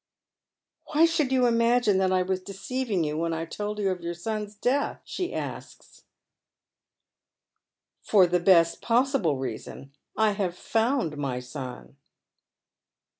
" Why should you imagine that I was deceiving you when f told you of your eon's death ?" she asks. " For the best possible reason. I have found my son."